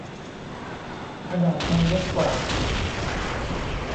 ขนาดมันเล็กกว่า